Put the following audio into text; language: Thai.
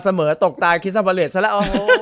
เสมอตกตายคริสต์ภาเลชน์ซะแล้ว